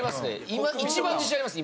今一番自信あります。